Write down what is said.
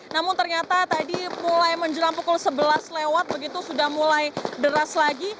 namun ternyata tadi mulai menjelang pukul sebelas lewat begitu sudah mulai deras lagi